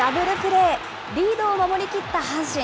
リードを守り切った阪神。